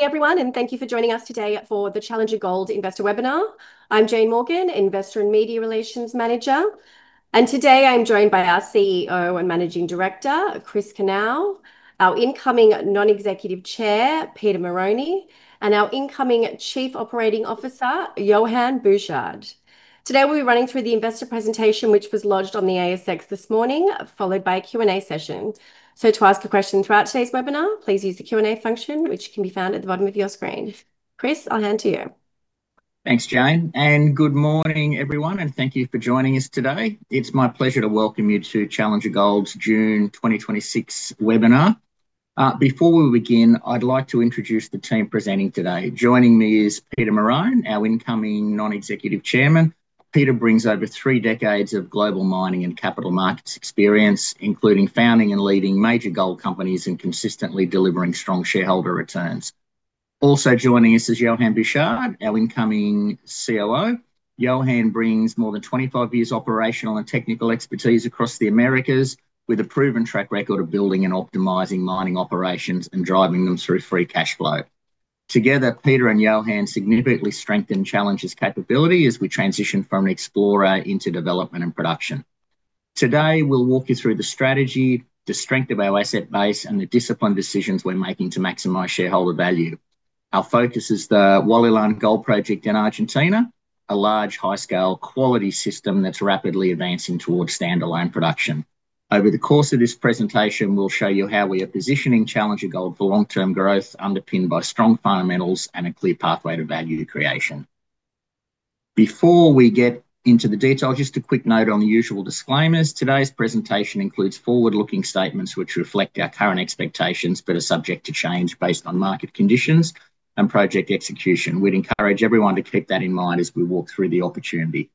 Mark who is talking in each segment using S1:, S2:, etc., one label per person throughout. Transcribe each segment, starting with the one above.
S1: Everyone, thank you for joining us today for the Challenger Gold Investor Webinar. I'm Jane Morgan, Investor and Media Relations Manager. Today I'm joined by our CEO and Managing Director, Kris Knauer, our incoming Non-Executive Chair, Peter Marrone, and our incoming Chief Operating Officer, Yohann Bouchard. Today we'll be running through the investor presentation, which was lodged on the ASX this morning, followed by a Q&A session. To ask a question throughout today's webinar, please use the Q&A function, which can be found at the bottom of your screen. Kris, I'll hand to you.
S2: Thanks, Jane, good morning, everyone, and thank you for joining us today. It's my pleasure to welcome you to Challenger Gold's June 2026 webinar. Before we begin, I'd like to introduce the team presenting today. Joining me is Peter Marrone, our incoming Non-Executive Chairman. Peter brings over three decades of global mining and capital markets experience, including founding and leading major gold companies and consistently delivering strong shareholder returns. Also joining us is Yohann Bouchard, our incoming COO. Yohann brings more than 25 years operational and technical expertise across the Americas with a proven track record of building and optimizing mining operations and driving them through free cash flow. Together, Peter and Yohann significantly strengthen Challenger's capability as we transition from explorer into development and production. Today, we'll walk you through the strategy, the strength of our asset base, and the disciplined decisions we're making to maximize shareholder value. Our focus is the Hualilan Gold Project in Argentina, a large, high-scale quality system that's rapidly advancing towards standalone production. Over the course of this presentation, we'll show you how we are positioning Challenger Gold for long-term growth underpinned by strong fundamentals and a clear pathway to value creation. Before we get into the detail, just a quick note on the usual disclaimers. Today's presentation includes forward-looking statements which reflect our current expectations but are subject to change based on market conditions and project execution. We'd encourage everyone to keep that in mind as we walk through the opportunity.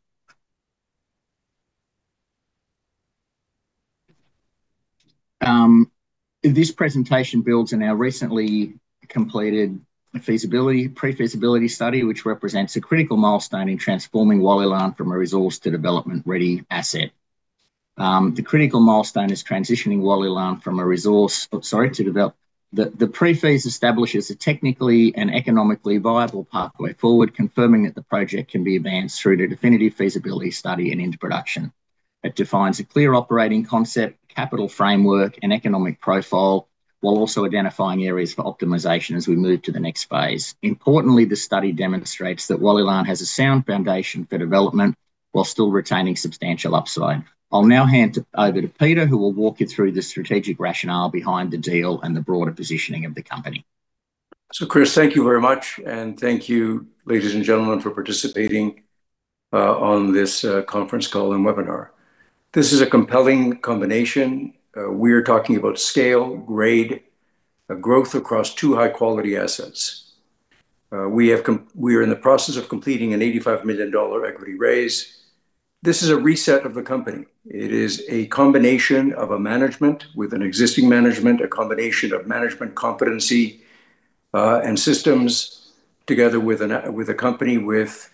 S2: This presentation builds on our recently completed pre-feasibility study, which represents a critical milestone in transforming Hualilan from a resource to development-ready asset. The critical milestone is transitioning Hualilan from a resource. The pre-feas establishes a technically and economically viable pathway forward, confirming that the project can be advanced through to definitive feasibility study and into production. It defines a clear operating concept, capital framework, and economic profile while also identifying areas for optimization as we move to the next phase. Importantly, the study demonstrates that Hualilan has a sound foundation for development while still retaining substantial upside. I'll now hand over to Peter, who will walk you through the strategic rationale behind the deal and the broader positioning of the company.
S3: Kris, thank you very much and thank you, ladies and gentlemen, for participating on this conference call and webinar. This is a compelling combination. We are talking about scale, grade, growth across two high-quality assets. We are in the process of completing an 85 million dollar equity raise. This is a reset of the company. It is a combination of a management with an existing management, a combination of management competency, and systems together with a company with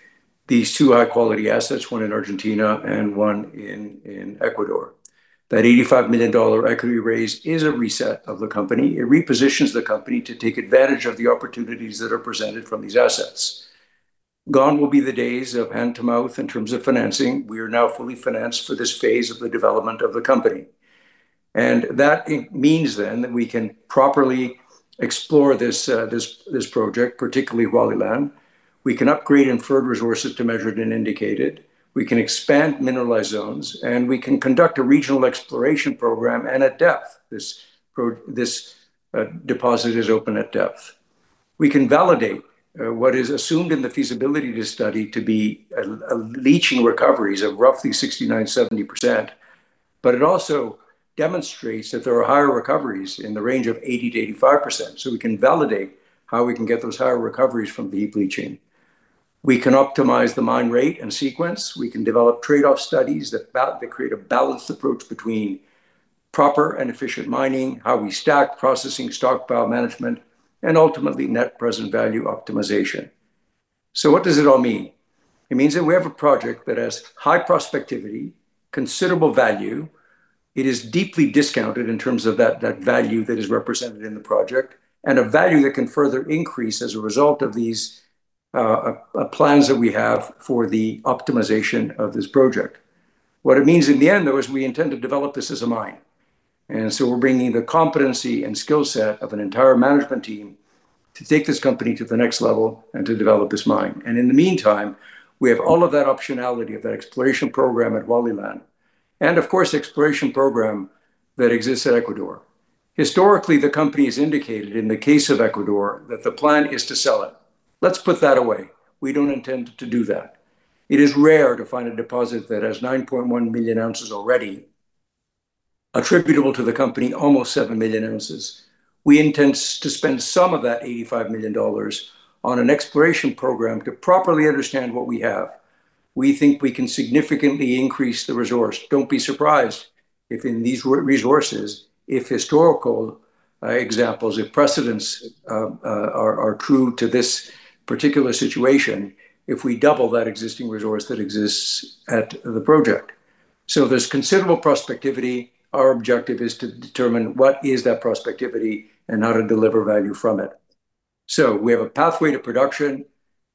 S3: these two high-quality assets, one in Argentina and one in Ecuador. That 85 million dollar equity raise is a reset of the company. It repositions the company to take advantage of the opportunities that are presented from these assets. Gone will be the days of hand-to-mouth in terms of financing. We are now fully financed for this phase of the development of the company. That means that we can properly explore this project, particularly Hualilan. We can upgrade inferred resources to measured and indicated. We can expand mineralized zones, and we can conduct a regional exploration program and at depth. This deposit is open at depth. We can validate what is assumed in the feasibility study to be leaching recoveries of roughly 69%-70%, but it also demonstrates that there are higher recoveries in the range of 80%-85%. We can validate how we can get those higher recoveries from heap leaching. We can optimize the mine rate and sequence. We can develop trade-off studies that create a balanced approach between proper and efficient mining, how we stack processing stockpile management, and ultimately net present value optimization. What does it all mean? It means that we have a project that has high prospectivity, considerable value. It is deeply discounted in terms of that value that is represented in the project, and a value that can further increase as a result of these plans that we have for the optimization of this project. What it means in the end, though, is we intend to develop this as a mine. We are bringing the competency and skill set of an entire management team to take this company to the next level and to develop this mine. In the meantime, we have all of that optionality of that exploration program at Hualilan. Of course, the exploration program that exists at Ecuador. Historically, the company has indicated in the case of Ecuador that the plan is to sell it. Let us put that away. We do not intend to do that. It is rare to find a deposit that has 9.1 million ounces already attributable to the company, almost 7 million ounces. We intend to spend some of that 85 million dollars on an exploration program to properly understand what we have. We think we can significantly increase the resource. Do not be surprised if in these resources, if historical examples, if precedents are true to this particular situation, if we double that existing resource that exists at the project. There is considerable prospectivity. Our objective is to determine what is that prospectivity and how to deliver value from it. We have a pathway to production.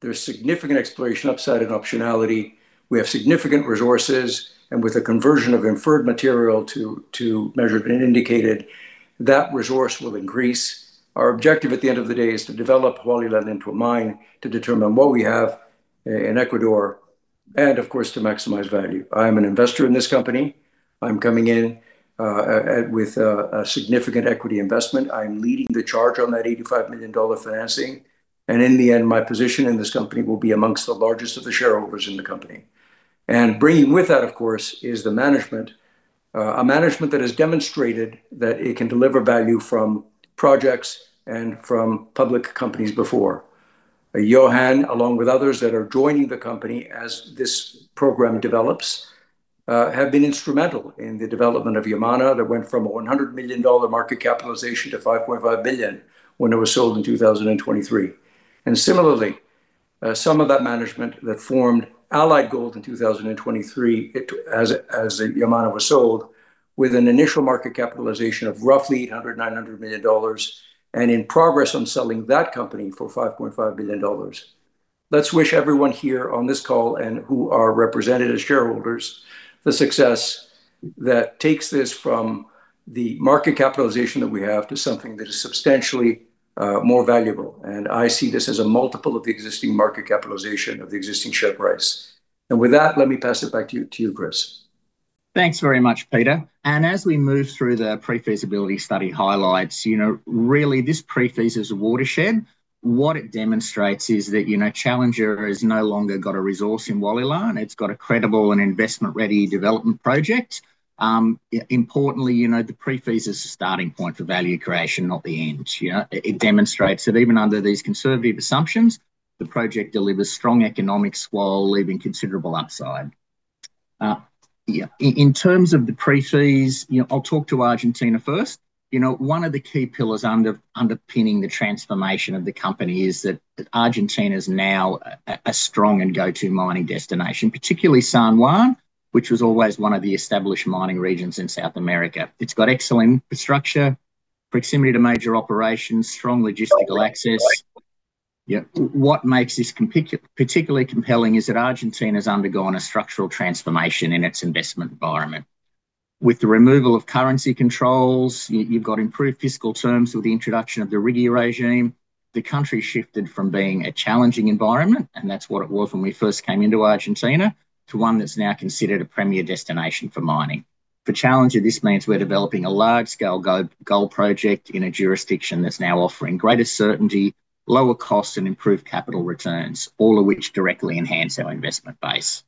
S3: There is significant exploration upside and optionality. We have significant resources, and with a conversion of inferred material to measured and indicated, that resource will increase. Our objective at the end of the day is to develop Hualilan into a mine to determine what we have in Ecuador and, of course, to maximize value. I am an investor in this company. I'm coming in with a significant equity investment. I'm leading the charge on that 85 million dollar financing. In the end, my position in this company will be amongst the largest of the shareholders in the company. Bringing with that, of course, is the management. A management that has demonstrated that it can deliver value from projects and from public companies before. Yohann, along with others that are joining the company as this program develops, have been instrumental in the development of Yamana, that went from an 100 million dollar market capitalization to 5.5 billion when it was sold in 2023. Similarly, some of that management that formed Allied Gold in 2023 as Yamana was sold, with an initial market capitalization of roughly 800 million dollars, AUD 900 million, in progress on selling that company for 5.5 billion dollars. Let's wish everyone here on this call and who are represented as shareholders, the success that takes this from the market capitalization that we have to something that is substantially more valuable, I see this as a multiple of the existing market capitalization of the existing share price. With that, let me pass it back to you, Kris.
S2: Thanks very much, Peter. As we move through the pre-feasibility study highlights, really this pre-feas is a watershed. What it demonstrates is that Challenger has no longer got a resource in Hualilan. It's got a credible and investment-ready development project. Importantly, the pre-feas is the starting point for value creation, not the end. It demonstrates that even under these conservative assumptions, the project delivers strong economics while leaving considerable upside. In terms of the pre-feas, I'll talk to Argentina first. One of the key pillars underpinning the transformation of the company is that Argentina's now a strong and go-to mining destination, particularly San Juan, which was always one of the established mining regions in South America. It's got excellent infrastructure, proximity to major operations, strong logistical access. What makes this particularly compelling is that Argentina's undergone a structural transformation in its investment environment. With the removal of currency controls, you've got improved fiscal terms with the introduction of the RIGI regime. The country shifted from being a challenging environment, that's what it was when we first came into Argentina, to one that's now considered a premier destination for mining. For Challenger, this means we're developing a large-scale gold project in a jurisdiction that's now offering greater certainty, lower cost, and improved capital returns, all of which directly enhance our investment base.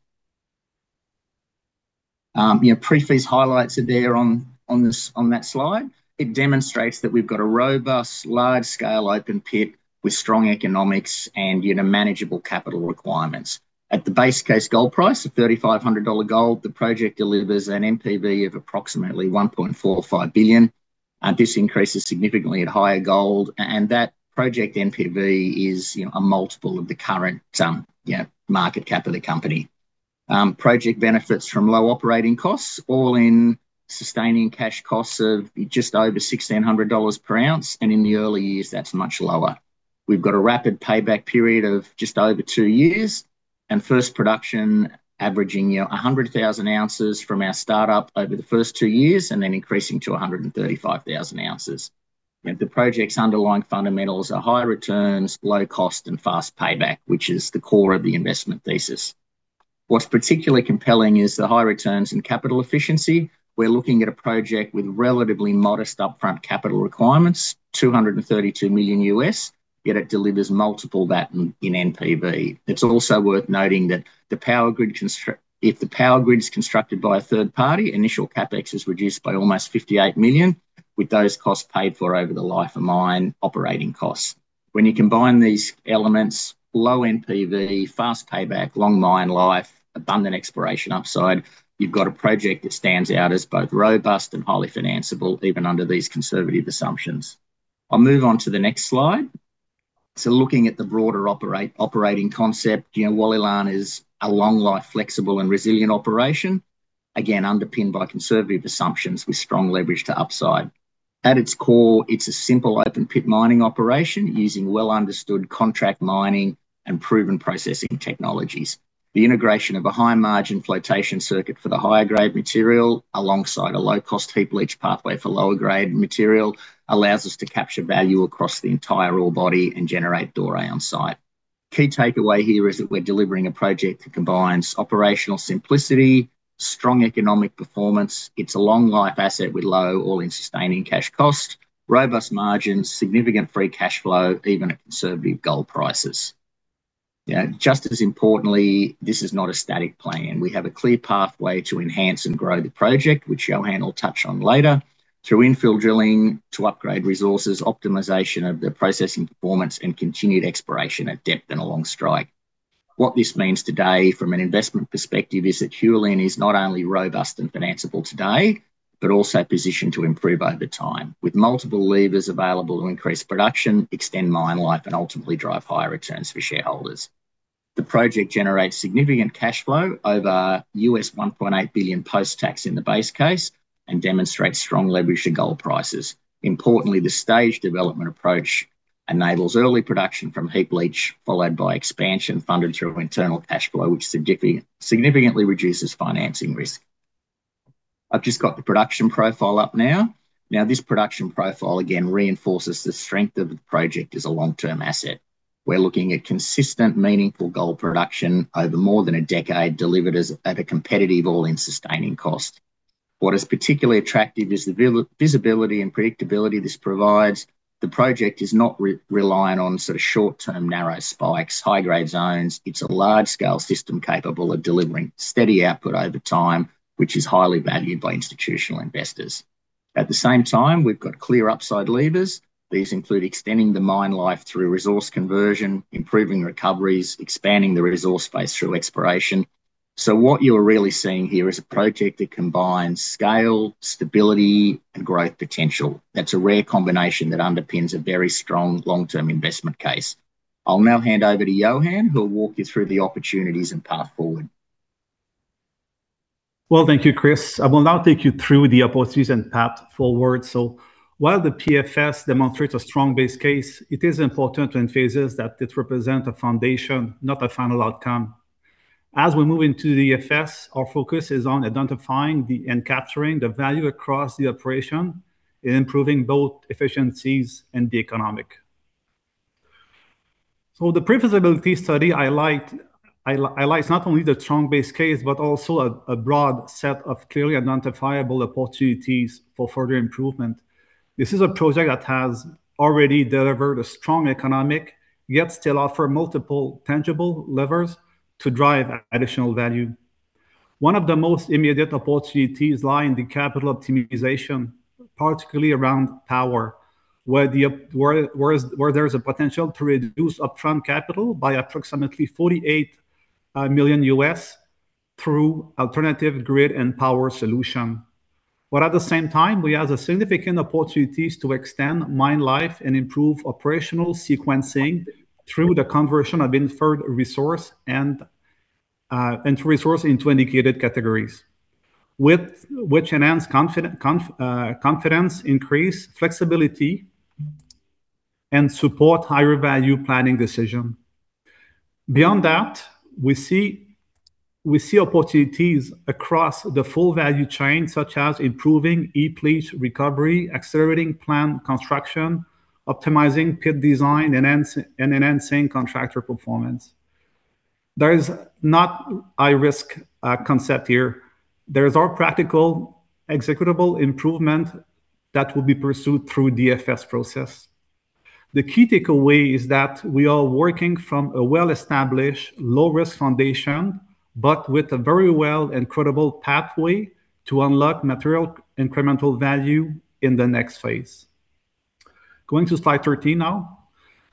S2: Pre-feas highlights are there on that slide. It demonstrates that we've got a robust, large-scale open pit with strong economics and manageable capital requirements. At the base case gold price of AUD 3,500 gold, the project delivers an NPV of approximately AUD 1.45 billion. This increases significantly at higher gold, that project NPV is a multiple of the current market cap of the company. Project benefits from low operating costs, all-in sustaining cash costs of just over $1,600 per ounce, and in the early years, that's much lower. We've got a rapid payback period of just over two years, and first production averaging 100,000 oz from our start-up over the first two years, then increasing to 135,000 oz. The project's underlying fundamentals are high returns, low cost, and fast payback, which is the core of the investment thesis. What's particularly compelling is the high returns in capital efficiency. We're looking at a project with relatively modest upfront capital requirements, $232 million, yet it delivers multiple that in NPV. It's also worth noting that if the power grid is constructed by a third party, initial CapEx is reduced by almost $58 million, with those costs paid for over the life of mine operating costs. You combine these elements, low NPV, fast payback, long mine life, abundant exploration upside, you've got a project that stands out as both robust and highly financeable, even under these conservative assumptions. I'll move on to the next slide. Looking at the broader operating concept, Hualilan is a long, life flexible, and resilient operation. Again, underpinned by conservative assumptions with strong leverage to upside. At its core, it's a simple open pit mining operation using well-understood contract mining and proven processing technologies. The integration of a high-margin flotation circuit for the higher-grade material, alongside a low-cost heap leach pathway for lower-grade material, allows us to capture value across the entire ore body and generate doré on site. Key takeaway here is that we're delivering a project that combines operational simplicity, strong economic performance. It's a long life asset with low all-in sustaining cash cost, robust margins, significant free cash flow, even at conservative gold prices. Just as importantly, this is not a static plan. We have a clear pathway to enhance and grow the project, which Yohann will touch on later, through infill drilling to upgrade resources, optimization of the processing performance, and continued exploration at depth and along strike. What this means today from an investment perspective is that Hualilan is not only robust and financeable today, but also positioned to improve over time. With multiple levers available to increase production, extend mine life, and ultimately drive higher returns for shareholders. The project generates significant cash flow over $1.8 billion post-tax in the base case and demonstrates strong leverage to gold prices. Importantly, the stage development approach enables early production from heap leach, followed by expansion funded through internal cash flow, which significantly reduces financing risk. I've just got the production profile up now. This production profile again reinforces the strength of the project as a long-term asset. We're looking at consistent, meaningful gold production over more than a decade, delivered at a competitive all-in sustaining cost. Particularly attractive is the visibility and predictability this provides. The project is not reliant on short-term, narrow spikes, high-grade zones. It's a large-scale system capable of delivering steady output over time, which is highly valued by institutional investors. At the same time, we've got clear upside levers. These include extending the mine life through resource conversion, improving recoveries, expanding the resource base through exploration. What you're really seeing here is a project that combines scale, stability, and growth potential. That's a rare combination that underpins a very strong long-term investment case. I'll now hand over to Yohann, who will walk you through the opportunities and path forward.
S4: Well, thank you, Kris. I will now take you through the opportunities and path forward. While the PFS demonstrates a strong base case, it is important to emphasize that it represents a foundation, not a final outcome. As we move into the FS, our focus is on identifying and capturing the value across the operation and improving both efficiencies and the economic. The pre-feasibility study highlights not only the strong base case, but also a broad set of clearly identifiable opportunities for further improvement. This is a project that has already delivered a strong economic, yet still offer multiple tangible levers to drive additional value. One of the most immediate opportunities lie in the capital optimization, particularly around power, where there is a potential to reduce upfront capital by approximately $48.5 million through alternative grid and power solution. At the same time, we have significant opportunities to extend mine life and improve operational sequencing through the conversion of inferred resource and to resource into indicated categories, which enhance confidence, increase flexibility, and support higher value planning decision. Beyond that, we see opportunities across the full value chain, such as improving heap leach recovery, accelerating plant construction, optimizing pit design, and enhancing contractor performance. There is not a risk concept here. These are practical, executable improvement that will be pursued through DFS process. The key takeaway is that we are working from a well-established, low-risk foundation, but with a very well and credible pathway to unlock material incremental value in the next phase. Going to slide 13 now.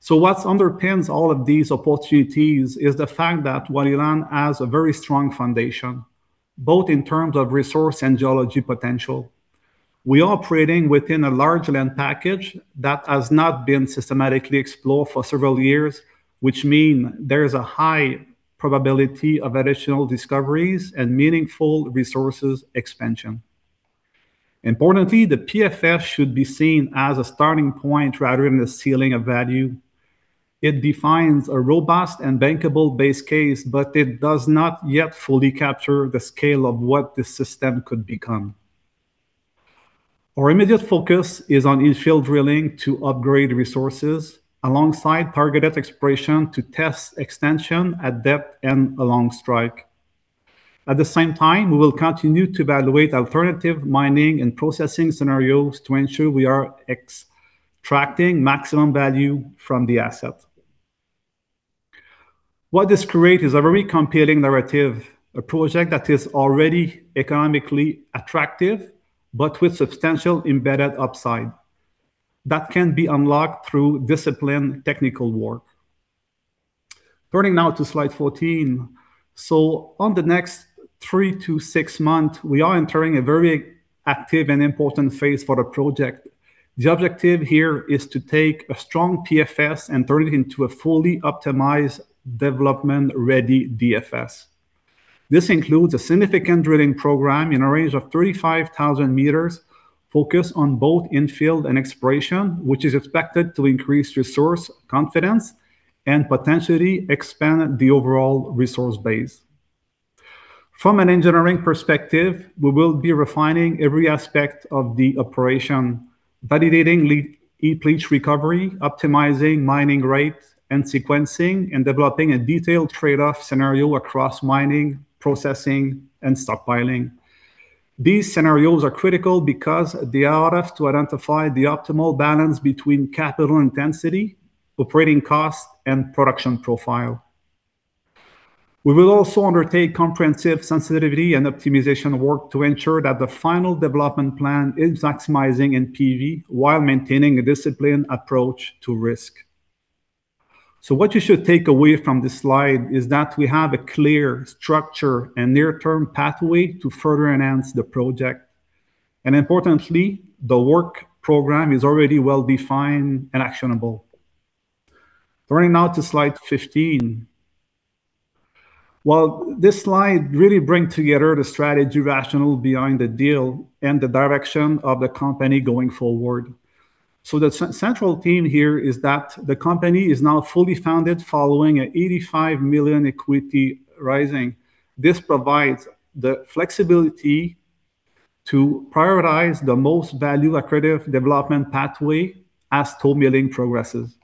S4: What underpins all of these opportunities is the fact that Hualilan has a very strong foundation, both in terms of resource and geology potential. We are operating within a large land package that has not been systematically explored for several years, which mean there is a high probability of additional discoveries and meaningful resources expansion. Importantly, the PFS should be seen as a starting point rather than a ceiling of value. It defines a robust and bankable base case, but it does not yet fully capture the scale of what the system could become. Our immediate focus is on infill drilling to upgrade resources alongside targeted exploration to test extension at depth and along strike. At the same time, we will continue to evaluate alternative mining and processing scenarios to ensure we are extracting maximum value from the asset. What this creates is a very compelling narrative, a project that is already economically attractive, but with substantial embedded upside that can be unlocked through disciplined technical work. Turning now to slide 14. On the next three to six months, we are entering a very active and important phase for the project. The objective here is to take a strong PFS and turn it into a fully optimized development-ready DFS. This includes a significant drilling program in a range of 35,000 m focused on both infill and exploration, which is expected to increase resource confidence and potentially expand the overall resource base. From an engineering perspective, we will be refining every aspect of the operation, validating heap leach recovery, optimizing mining rates and sequencing, and developing a detailed trade-off scenario across mining, processing, and stockpiling. These scenarios are critical because they are to identify the optimal balance between capital intensity, operating cost, and production profile. We will also undertake comprehensive sensitivity and optimization work to ensure that the final development plan is maximizing NPV while maintaining a disciplined approach to risk. What you should take away from this slide is that we have a clear structure and near-term pathway to further enhance the project. Importantly, the work program is already well-defined and actionable. Turning now to slide 15. This slide really brings together the strategy rationale behind the deal and the direction of the company going forward. The central theme here is that the company is now fully funded following an 85 million equity raising. This provides the flexibility to prioritize the most value accretive development pathway as toll milling progresses.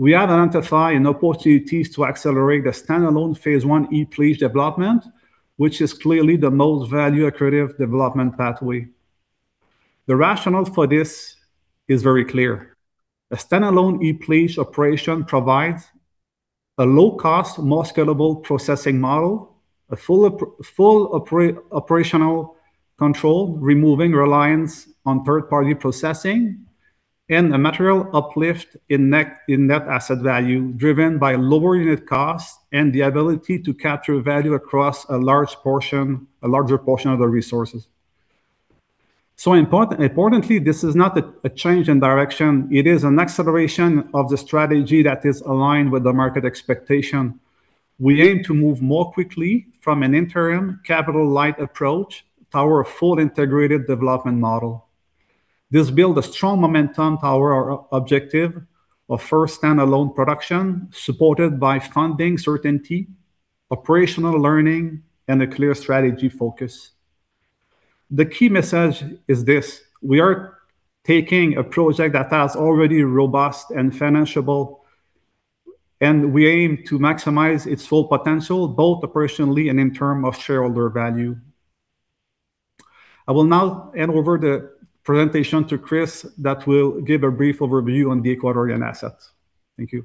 S4: We have identified an opportunity to accelerate the standalone phase 1 heap leach development, which is clearly the most value accretive development pathway. The rationale for this is very clear. A standalone heap leach operation provides a low-cost, more scalable processing model, a full operational control, removing reliance on third-party processing, and a material uplift in net asset value driven by lower unit cost and the ability to capture value across a larger portion of the resources. Importantly, this is not a change in direction. It is an acceleration of the strategy that is aligned with the market expectation. We aim to move more quickly from an interim capital-light approach to our full integrated development model. This builds a strong momentum to our objective of first standalone production, supported by funding certainty, operational learning, and a clear strategy focus. The key message is this. We are taking a project that is already robust and financeable, and we aim to maximize its full potential both operationally and in terms of shareholder value. I will now hand over the presentation to Kris that will give a brief overview on the Ecuadorian assets. Thank you.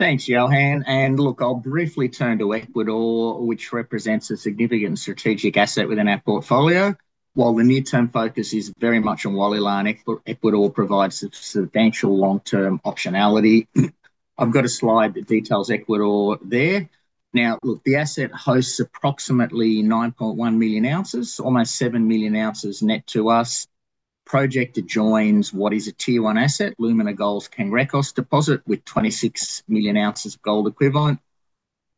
S2: Thanks, Yohann. I'll briefly turn to Ecuador, which represents a significant strategic asset within our portfolio. While the near-term focus is very much on Hualilan, Ecuador provides substantial long-term optionality. I've got a slide that details Ecuador there. Now, look, the asset hosts approximately 9.1 million ounces, almost 7 million ounces net to us. Project adjoins what is a Tier 1 asset, Lumina Gold's Cangrejos deposit with 26 million ounces gold equivalent.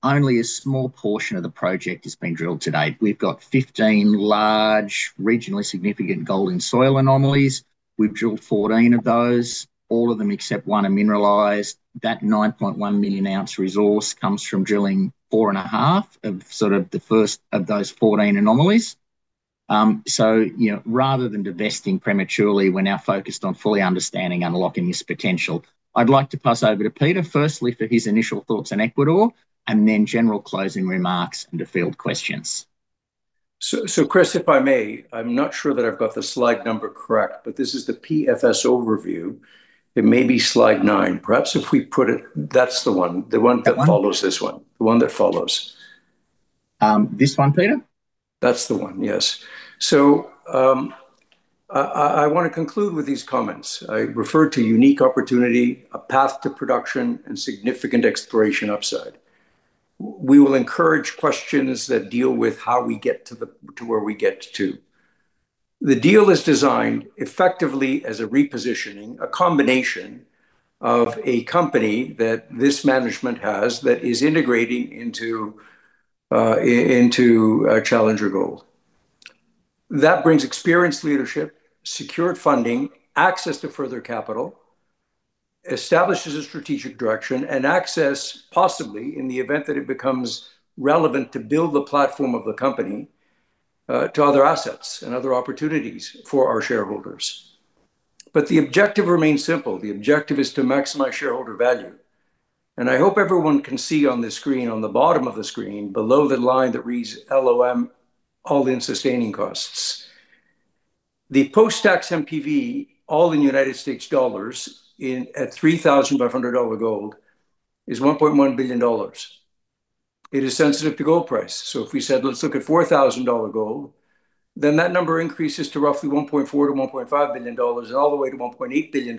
S2: Only a small portion of the project is being drilled today. We've got 15 large, regionally significant gold and soil anomalies. We've drilled 14 of those. All of them except one are mineralized. That 9.1 million ounces resource comes from drilling four and a half of sort of the first of those 14 anomalies. Rather than divesting prematurely, we're now focused on fully understanding unlocking its potential. I'd like to pass over to Peter, firstly for his initial thoughts on Ecuador, then general closing remarks and to field questions.
S3: Kris, if I may, I'm not sure that I've got the slide number correct, this is the PFS overview. It may be slide nine. That's the one.
S2: That one?
S3: The one that follows this one. The one that follows.
S2: This one, Peter?
S3: That's the one, yes. I want to conclude with these comments. I refer to unique opportunity, a path to production, and significant exploration upside. We will encourage questions that deal with how we get to where we get to. The deal is designed effectively as a repositioning, a combination of a company that this management has that is integrating into Challenger Gold. That brings experienced leadership, secured funding, access to further capital, establishes a strategic direction and access, possibly in the event that it becomes relevant to build the platform of the company, to other assets and other opportunities for our shareholders. The objective remains simple. The objective is to maximize shareholder value. I hope everyone can see on the screen, on the bottom of the screen, below the line that reads LOM, all-in sustaining costs. The post-tax NPV, all in United States dollars at $3,500 gold is $1.1 billion. It is sensitive to gold price. If we said, let's look at $4,000 gold, then that number increases to roughly $1.4 billion-$1.5 billion, all the way to $1.8 billion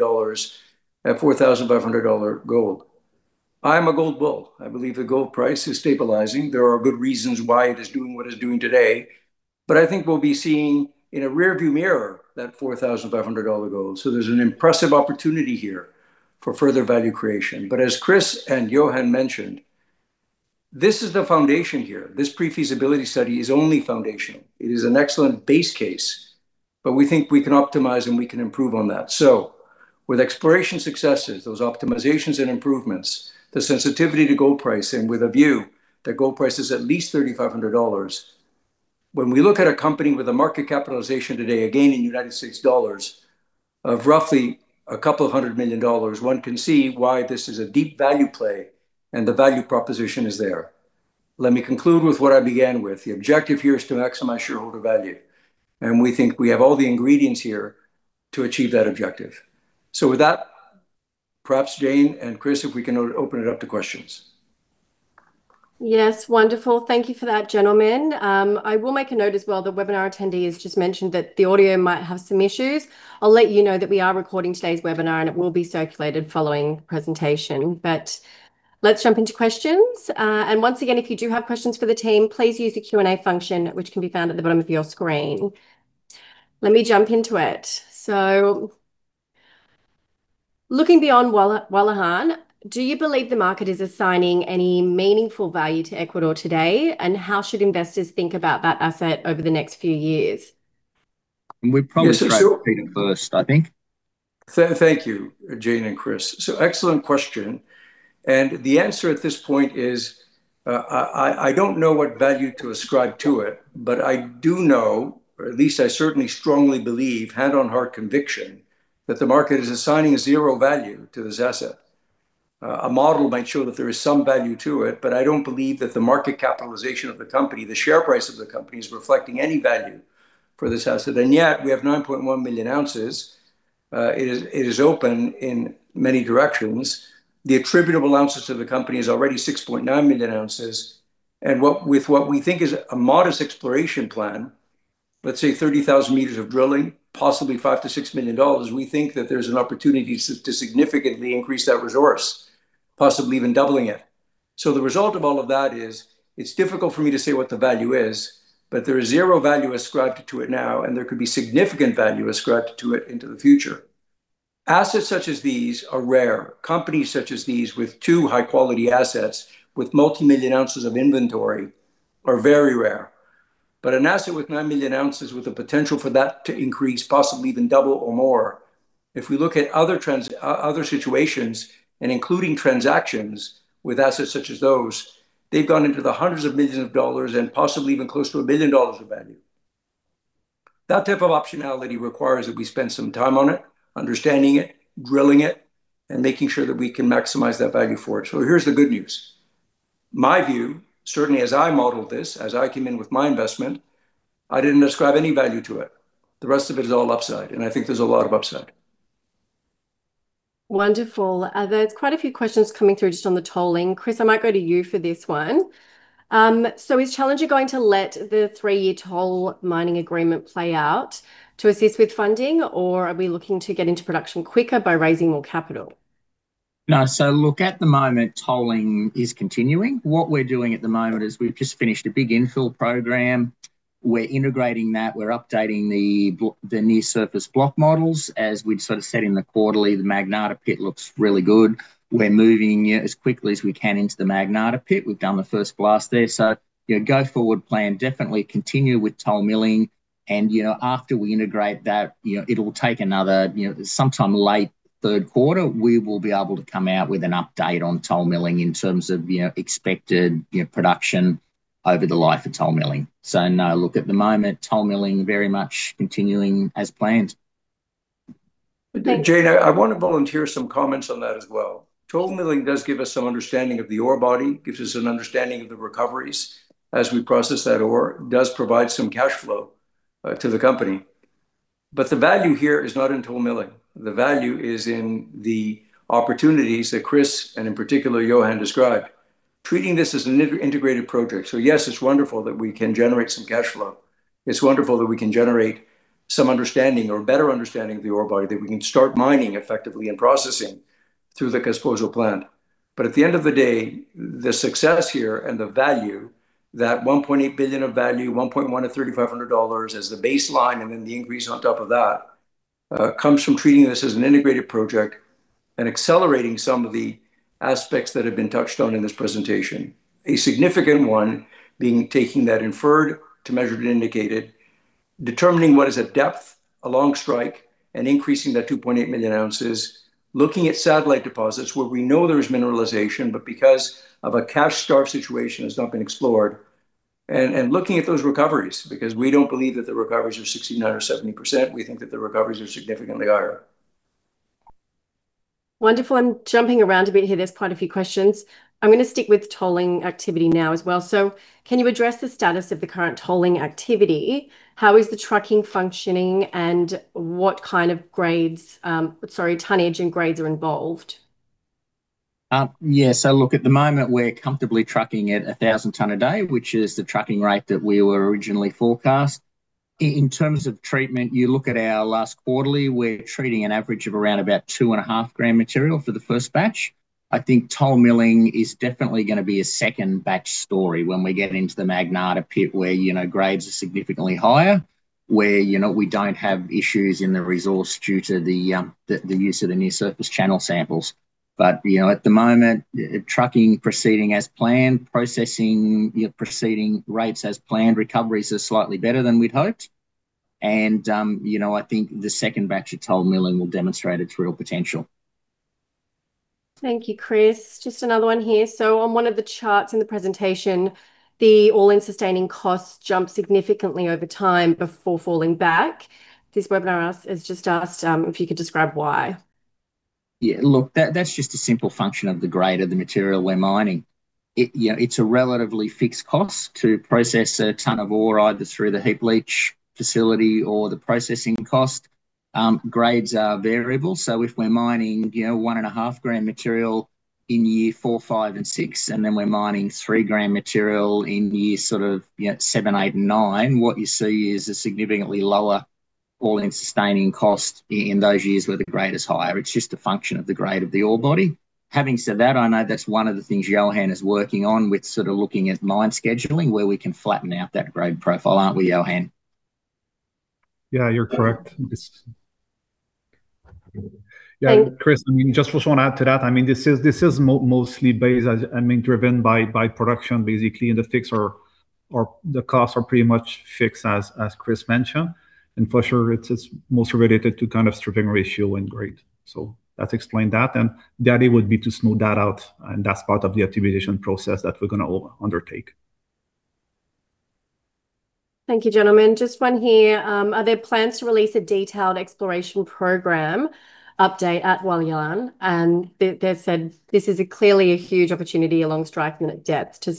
S3: at $4,500 gold. I'm a gold bull. I believe the gold price is stabilizing. There are good reasons why it is doing what it's doing today. I think we'll be seeing in a rearview mirror that $4,500 gold. There's an impressive opportunity here for further value creation. As Kris and Yohann mentioned, this is the foundation here. This pre-feasibility study is only foundational. It is an excellent base case, but we think we can optimize and we can improve on that. With exploration successes, those optimizations and improvements, the sensitivity to gold price, and with a view that gold price is at least $3,500, when we look at a company with a market capitalization today, again, in United States dollars of roughly a couple of hundred million dollars, one can see why this is a deep value play and the value proposition is there. Let me conclude with what I began with. The objective here is to maximize shareholder value, and we think we have all the ingredients here to achieve that objective. With that, perhaps Jane and Kris, if we can open it up to questions.
S1: Yes, wonderful. Thank you for that, gentlemen. I will make a note as well that webinar attendees just mentioned that the audio might have some issues. I will let you know that we are recording today's webinar, and it will be circulated following the presentation. Let's jump into questions. Once again, if you do have questions for the team, please use the Q&A function, which can be found at the bottom of your screen. Let me jump into it. Looking beyond Hualilan, do you believe the market is assigning any meaningful value to Ecuador today? How should investors think about that asset over the next few years?
S2: We probably-
S3: Yes. Sure.
S2: should be first, I think.
S3: Thank you, Jane and Kris. Excellent question. The answer at this point is, I don't know what value to ascribe to it, but I do know, or at least I certainly strongly believe, hand on heart conviction, that the market is assigning a zero value to this asset. A model might show that there is some value to it, but I don't believe that the market capitalization of the company, the share price of the company, is reflecting any value for this asset. Yet we have 9.1 million ounces. It is open in many directions. The attributable ounces of the company is already 6.9 million ounces. With what we think is a modest exploration plan, let's say 30,000 m of drilling, possibly 5 million-6 million dollars, we think that there's an opportunity to significantly increase that resource, possibly even doubling it. The result of all of that is, it's difficult for me to say what the value is, but there is zero value ascribed to it now, and there could be significant value ascribed to it into the future. Assets such as these are rare. Companies such as these with two high-quality assets, with multimillion ounces of inventory, are very rare. An asset with 9 million ounces with the potential for that to increase, possibly even double or more, if we look at other situations and including transactions with assets such as those, they've gone into the hundreds of millions of AUD and possibly even close to 1 billion dollars of value. That type of optionality requires that we spend some time on it, understanding it, drilling it, and making sure that we can maximize that value for it. Here's the good news. My view, certainly as I modeled this, as I came in with my investment, I didn't ascribe any value to it. The rest of it is all upside, and I think there's a lot of upside.
S1: Wonderful. There is quite a few questions coming through just on the tolling. Kris, I might go to you for this one. Is Challenger going to let the three-year toll milling agreement play out to assist with funding, or are we looking to get into production quicker by raising more capital?
S2: No. Look, at the moment, tolling is continuing. What we are doing at the moment is we have just finished a big infill program. We are integrating that. We are updating the near-surface block models. As we had sort of said in the quarterly, the Magnata pit looks really good. We are moving as quickly as we can into the Magnata pit. We have done the first blast there. Go forward plan, definitely continue with toll milling and after we integrate that, it will take another, sometime late third quarter, we will be able to come out with an update on toll milling in terms of expected production over the life of toll milling. No, look, at the moment, toll milling very much continuing as planned.
S1: Thank-
S3: Jane, I want to volunteer some comments on that as well. Toll milling does give us some understanding of the ore body, gives us an understanding of the recoveries as we process that ore. It does provide some cash flow to the company. The value here is not in toll milling. The value is in the opportunities that Kris, and in particular Yohann described. Treating this as an integrated project. Yes, it is wonderful that we can generate some cash flow. It is wonderful that we can generate some understanding or better understanding of the ore body, that we can start mining effectively and processing through the Casposo plant. At the end of the day, the success here and the value, that 1.8 billion of value, 1.1-3,500 dollars as the baseline and then the increase on top of that, comes from treating this as an integrated project and accelerating some of the aspects that have been touched on in this presentation. A significant one being taking that inferred to measured and indicated, determining what is at depth along strike, and increasing that 2.8 million ounces. Looking at satellite deposits where we know there is mineralization, because of a cash-starved situation has not been explored. Looking at those recoveries, because we do not believe that the recoveries are 69% or 70%, we think that the recoveries are significantly higher.
S1: Wonderful. I'm jumping around a bit here. There's quite a few questions. I'm going to stick with tolling activity now as well. Can you address the status of the current tolling activity? How is the trucking functioning and what kind of tonnage and grades are involved?
S2: Yeah. Look, at the moment, we're comfortably trucking at 1,000 tons a day, which is the trucking rate that we were originally forecast. In terms of treatment, you look at our last quarterly, we're treating an average of around about 2.5 g material for the first batch. I think toll milling is definitely going to be a second batch story when we get into the Magnata pit where grades are significantly higher. Where we don't have issues in the resource due to the use of the near-surface channel samples. At the moment, trucking proceeding as planned, processing proceeding rates as planned. Recoveries are slightly better than we'd hoped. I think the second batch of toll milling will demonstrate its real potential.
S1: Thank you, Kris. Just another one here. On one of the charts in the presentation, the all-in sustaining costs jumped significantly over time before falling back. This webinar has just asked if you could describe why.
S2: Yeah, look, that's just a simple function of the grade of the material we're mining. It's a relatively fixed cost to process a ton of ore, either through the heap leach facility or the processing cost. Grades are variable. If we're mining 1.5 g material in year four, five, and six, then we're mining 3 g material in years sort of seven, eight, and nine, what you see is a significantly lower all-in sustaining cost in those years where the grade is higher. It's just a function of the grade of the ore body. Having said that, I know that's one of the things Yohann is working on with sort of looking at mine scheduling where we can flatten out that grade profile, aren't we, Yohann?
S4: Yeah, you're correct.
S1: And-
S4: Yeah, Kris, I mean, just also want to add to that, this is mostly based, I mean, driven by production basically. The costs are pretty much fixed as Kris mentioned. For sure it's mostly related to kind of stripping ratio and grade. Let's explain that. The idea would be to smooth that out, and that's part of the activation process that we're going to undertake.
S1: Thank you, gentlemen. Just one here. Are there plans to release a detailed exploration program update at Hualilan? They've said this is clearly a huge opportunity along strike and at depth to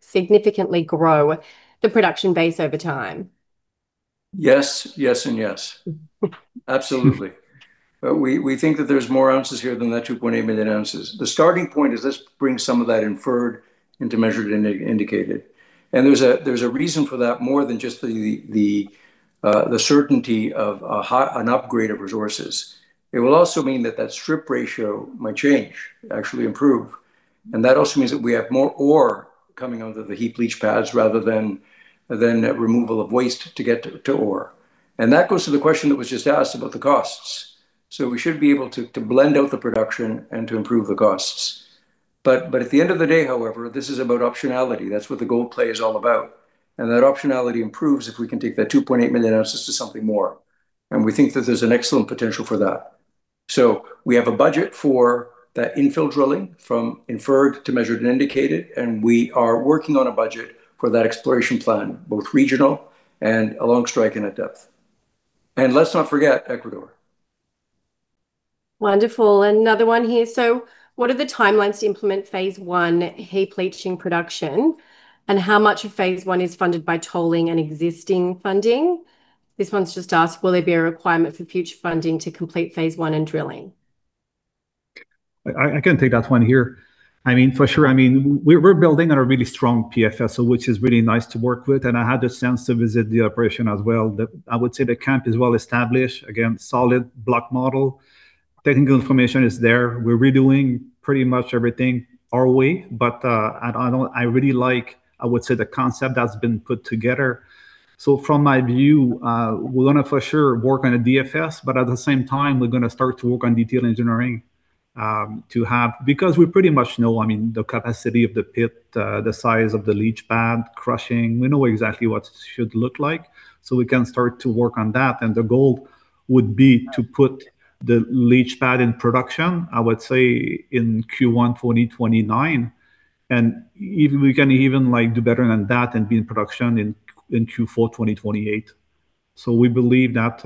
S1: significantly grow the production base over time.
S3: Yes, yes, and yes. Absolutely. We think that there's more ounces here than that 2.8 million ounces. The starting point is this brings some of that inferred into measured and indicated. There's a reason for that more than just the certainty of an upgrade of resources. It will also mean that that strip ratio might change, actually improve. That also means that we have more ore coming out of the heap leach pads rather than removal of waste to get to ore. That goes to the question that was just asked about the costs. We should be able to blend out the production and to improve the costs. At the end of the day, however, this is about optionality. That's what the gold play is all about. That optionality improves if we can take that 2.8 million ounces to something more. We think that there's an excellent potential for that. We have a budget for that infill drilling from inferred to measured and indicated, and we are working on a budget for that exploration plan, both regional and along strike and at depth. Let's not forget Ecuador.
S1: Wonderful. Another one here. What are the timelines to implement phase 1 heap leaching production, and how much of phase 1 is funded by tolling and existing funding? This one's just asked, will there be a requirement for future funding to complete phase 1 and drilling?
S4: I can take that one here. I mean, for sure. I mean, we're building on a really strong PFS, which is really nice to work with, and I had the chance to visit the operation as well. I would say the camp is well-established. Again, solid block model. Technical information is there. We're redoing pretty much everything our way, but I really like, I would say, the concept that's been put together. From my view, we're going to for sure work on a DFS, but at the same time, we're going to start to work on detailed engineering, because we pretty much know the capacity of the pit, the size of the leach pad, crushing. We know exactly what it should look like, so we can start to work on that. The goal would be to put the leach pad in production, I would say in Q1 2029. If we can even do better than that and be in production in Q4 2028. We believe that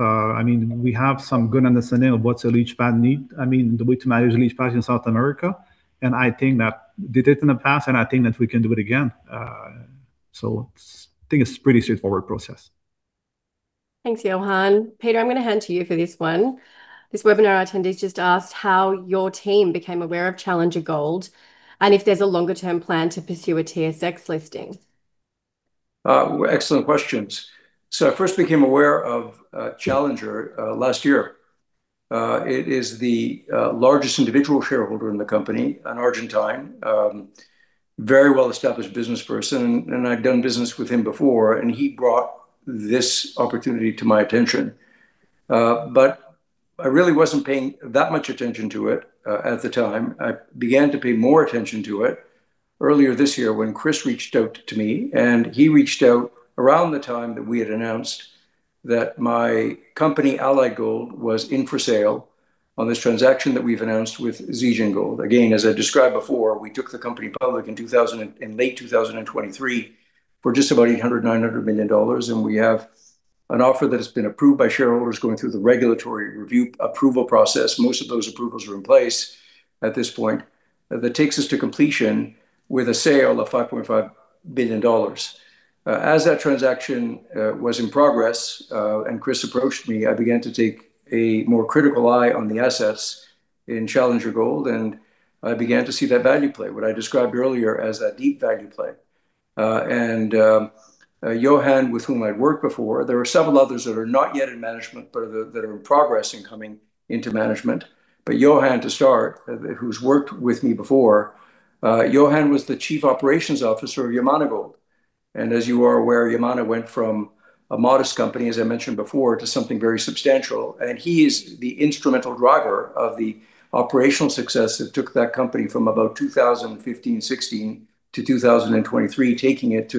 S4: we have some good understanding of what's a leach pad need. I mean, the way to manage a leach pad in South America, and I think that did it in the past, and I think that we can do it again. I think it's a pretty straightforward process.
S1: Thanks, Yohann. Peter, I'm going to hand to you for this one. This webinar attendee's just asked how your team became aware of Challenger Gold, and if there's a longer-term plan to pursue a TSX listing.
S3: Excellent questions. I first became aware of Challenger last year. It is the largest individual shareholder in the company, an Argentine, very well-established businessperson. I've done business with him before, he brought this opportunity to my attention. I really wasn't paying that much attention to it at the time. I began to pay more attention to it earlier this year when Kris reached out to me. He reached out around the time that we had announced that my company, Allied Gold, was in for sale on this transaction that we've announced with Zijin Mining. As I described before, we took the company public in late 2023 for just about $800 million, $900 million. We have an offer that has been approved by shareholders going through the regulatory review approval process. Most of those approvals are in place at this point. That takes us to completion with a sale of $5.5 billion. As that transaction was in progress, Kris approached me, I began to take a more critical eye on the assets in Challenger Gold. I began to see that value play, what I described earlier as that deep value play. Yohann, with whom I'd worked before, there are several others that are not yet in management, but that are in progress in coming into management. Yohann, to start, who's worked with me before, Yohann was the Chief Operating Officer of Yamana Gold. As you are aware, Yamana went from a modest company, as I mentioned before, to something very substantial. He is the instrumental driver of the operational success that took that company from about 2015, 2016-2023, taking it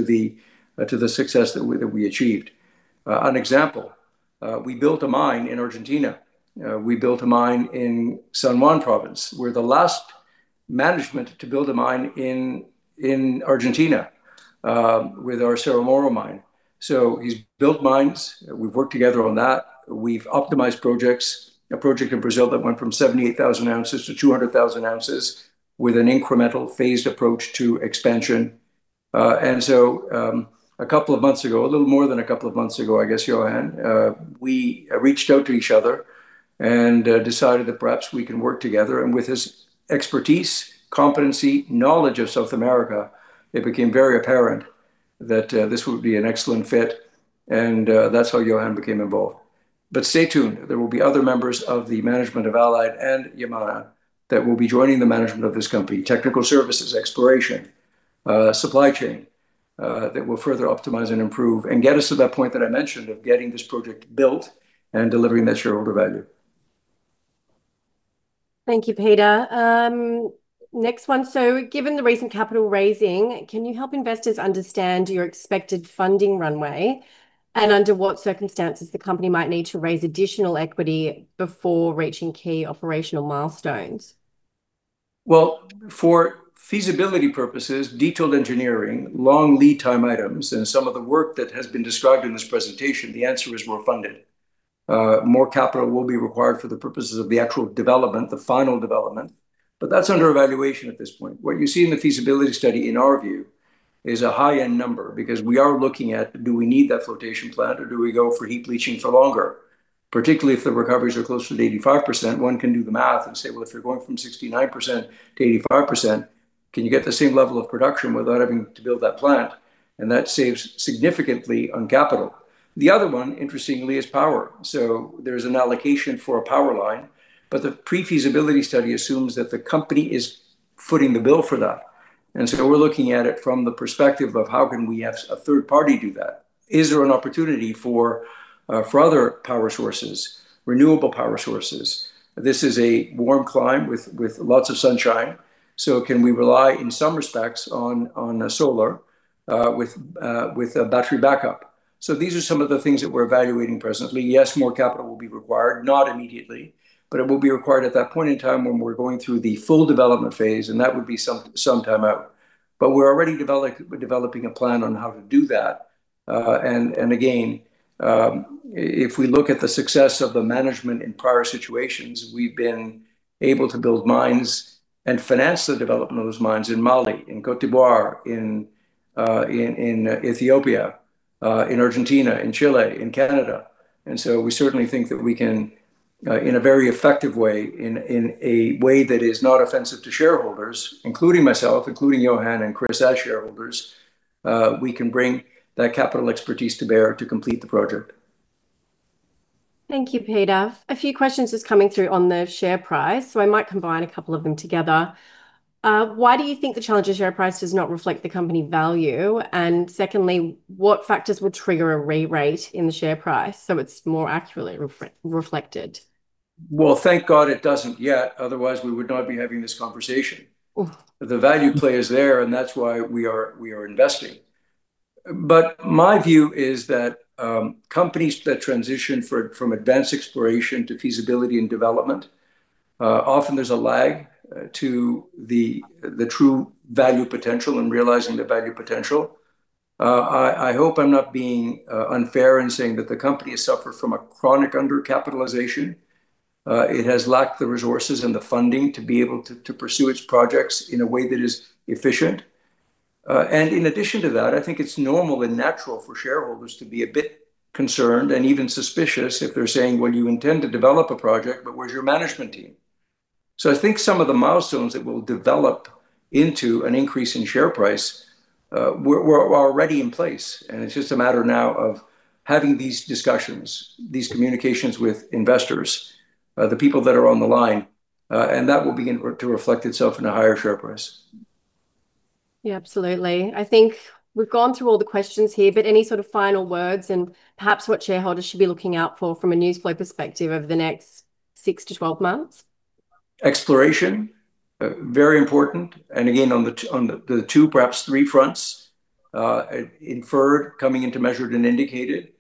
S3: to the success that we achieved. An example, we built a mine in Argentina. We built a mine in San Juan Province. We're the last management to build a mine in Argentina, with our Cerro Moro mine. He's built mines. We've worked together on that. We've optimized projects. A project in Brazil that went from 78,000 oz-200,000 oz with an incremental phased approach to expansion. A couple of months ago, a little more than a couple of months ago, I guess, Yohann, we reached out to each other and decided that perhaps we can work together. With his expertise, competency, knowledge of South America, it became very apparent that this would be an excellent fit. That's how Yohann became involved. But stay tuned. There will be other members of the management of Allied and Yamana that will be joining the management of this company, technical services, exploration, supply chain, that will further optimize and improve and get us to that point that I mentioned of getting this project built and delivering that shareholder value.
S1: Thank you, Peter. Next one. Given the recent capital raising, can you help investors understand your expected funding runway and under what circumstances the company might need to raise additional equity before reaching key operational milestones?
S3: Well, for feasibility purposes, detailed engineering, long lead time items, and some of the work that has been described in this presentation, the answer is we're funded. More capital will be required for the purposes of the actual development, the final development, but that's under evaluation at this point. What you see in the feasibility study, in our view, is a high-end number because we are looking at do we need that flotation plant or do we go for heap leaching for longer, particularly if the recoveries are closer to 85%. One can do the math and say, well, if you're going from 69%-85%, can you get the same level of production without having to build that plant? That saves significantly on capital. The other one, interestingly, is power. There's an allocation for a power line, but the pre-feasibility study assumes that the company is footing the bill for that. We're looking at it from the perspective of how can we have a third party do that. Is there an opportunity for other power sources, renewable power sources? This is a warm climb with lots of sunshine, can we rely, in some respects, on solar with a battery backup? These are some of the things that we're evaluating presently. Yes, more capital will be required, not immediately, but it will be required at that point in time when we're going through the full development phase, and that would be some time out. We're already developing a plan on how to do that. If we look at the success of the management in prior situations, we've been able to build mines and finance the development of those mines in Mali, in Côte d'Ivoire, in Ethiopia, in Argentina, in Chile, in Canada. We certainly think that we can, in a very effective way, in a way that is not offensive to shareholders, including myself, including Yohann and Kris as shareholders, we can bring that capital expertise to bear to complete the project.
S1: Thank you, Peter. A few questions just coming through on the share price, I might combine a couple of them together. Why do you think the Challenger share price does not reflect the company value? Secondly, what factors would trigger a re-rate in the share price so it's more accurately reflected?
S3: Well, thank God it doesn't yet, otherwise we would not be having this conversation.
S1: Oof.
S3: The value play is there, that's why we are investing. My view is that companies that transition from advanced exploration to feasibility and development, often there's a lag to the true value potential and realizing the value potential. I hope I'm not being unfair in saying that the company has suffered from a chronic under-capitalization. It has lacked the resources and the funding to be able to pursue its projects in a way that is efficient. In addition to that, I think it's normal and natural for shareholders to be a bit concerned and even suspicious if they're saying, "Well, you intend to develop a project, but where's your management team?" I think some of the milestones that will develop into an increase in share price were already in place, and it's just a matter now of having these discussions, these communications with investors, the people that are on the line, and that will begin to reflect itself in a higher share price.
S1: Yeah, absolutely. I think we've gone through all the questions here, but any sort of final words and perhaps what shareholders should be looking out for from a news flow perspective over the next 6-12 months?
S3: Exploration, very important. Again, on the two, perhaps three fronts. Inferred coming into measured and indicated,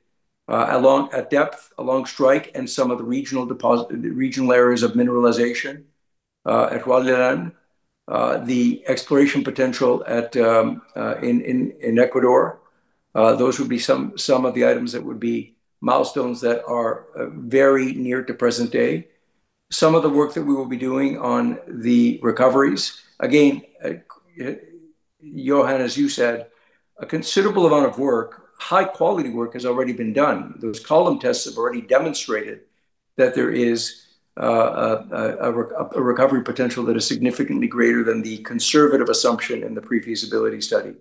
S3: along at depth, along strike, and some of the regional areas of mineralization at Valle Grande. The exploration potential in Ecuador. Those would be some of the items that would be milestones that are very near to present day. Some of the work that we will be doing on the recoveries. Again, Yohann, as you said, a considerable amount of work, high-quality work, has already been done. Those column tests have already demonstrated that there is a recovery potential that is significantly greater than the conservative assumption in the pre-feasibility study.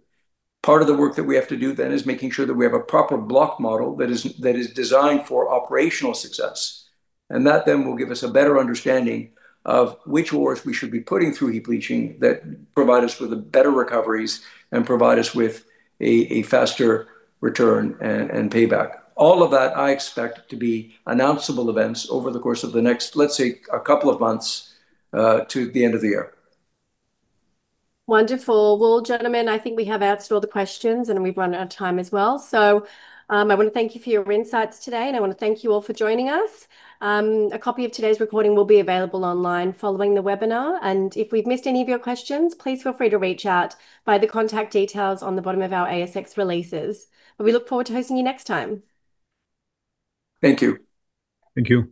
S3: Part of the work that we have to do then is making sure that we have a proper block model that is designed for operational success, and that then will give us a better understanding of which ores we should be putting through heap leaching that provide us with a better recoveries and provide us with a faster return and payback. All of that I expect to be announceable events over the course of the next, let's say, a couple of months to the end of the year.
S1: Wonderful. Well, gentlemen, I think we have answered all the questions, and we've run out of time as well. I want to thank you for your insights today, and I want to thank you all for joining us. A copy of today's recording will be available online following the webinar, and if we've missed any of your questions, please feel free to reach out by the contact details on the bottom of our ASX releases. We look forward to hosting you next time.
S3: Thank you.
S4: Thank you.